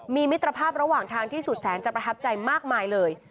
มีมิตรภาพระหว่างทางที่สุดแสนจะประทับใจมากมายเลย